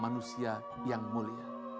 manusia yang mulia